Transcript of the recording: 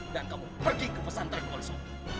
dan kamu pergi ke pesantren wariso